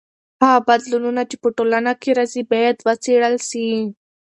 هغه بدلونونه چې په ټولنه کې راځي باید وڅېړل سي.